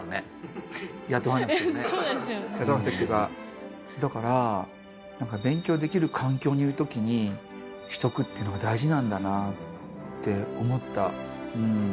「雇わなくて」っていうかだから勉強できる環境にいる時にしとくっていうのが大事なんだなって思ったうん。